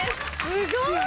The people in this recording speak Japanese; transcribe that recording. すごい！